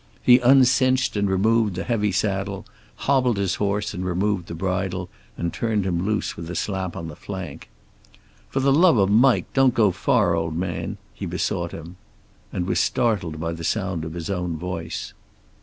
He uncinched and removed the heavy saddle, hobbled his horse and removed the bridle, and turned him loose with a slap on the flank. "For the love of Mike, don't go far, old man," he besought him. And was startled by the sound of his own voice.